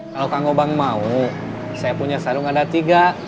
kalau kang obama mau saya punya sarung ada tiga